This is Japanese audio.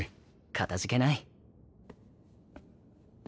かたじけない。